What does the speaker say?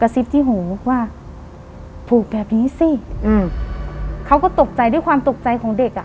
ซิบที่หูว่าถูกแบบนี้สิอืมเขาก็ตกใจด้วยความตกใจของเด็กอ่ะ